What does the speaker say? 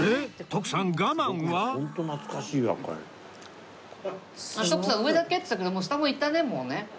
徳さん上だけって言ってたけど下もいったねもうね。